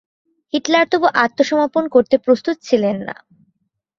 Hitler তবু আত্মসমর্পণ করতে প্রস্তুত ছিলেন না।